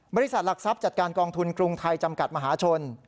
บริษัทหลักทรัพย์จัดการกองทุนกรุงไทยจำกัดมหาชน